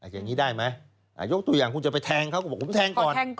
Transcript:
อย่างนี้ได้ไหมยกตัวอย่างคุณจะไปแทงเขาก็บอกผมแทงก่อน